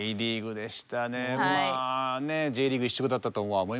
まあＪリーグ一色だったとは思いますし。